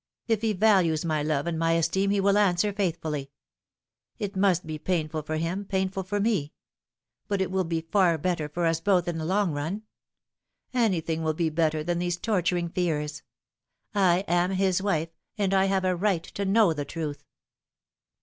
If he values my love and my esteem he wifl answer faithfully. It must be painful for him, painful for me ; but it will be far better for us both in the long run. Anything will be better than these torturing fears. I am his wife, and I have a right to know the truth."